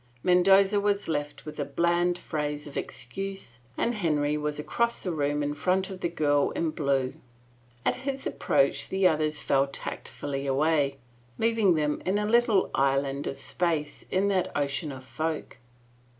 Mendoza was left with a bland phrase of excuse and King Henry was across the room in front of the girl in blue. At his approach the others fell tactfully away, leaving them in a little island of space in that ocean of folk.